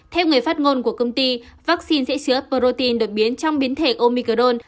theo người phát ngôn của công ty vaccine sẽ sửa protein được biến trong biến thể omicron